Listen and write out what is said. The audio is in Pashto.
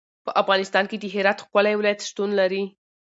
په افغانستان کې د هرات ښکلی ولایت شتون لري.